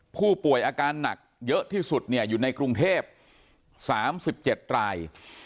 ผู้ป่วยอาการหนักเยอะที่สุดอยู่ในกรุงเทพ๓๗ราย